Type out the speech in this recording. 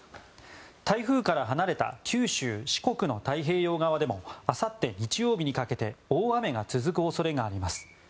台風から離れた九州・四国の太平洋側でもあさって日曜日にかけて大雨が続く恐れがあります。